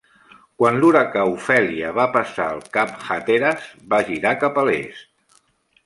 Quan l'huracà Ophelia va passar el Cap Hatteras, va girar cap a l'est.